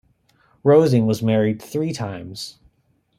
Rosing was married three times.